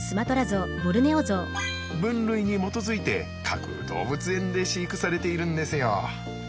分類に基づいて各動物園で飼育されているんですよ。